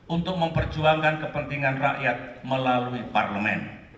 untuk memperjuangkan kepentingan rakyat melalui parlemen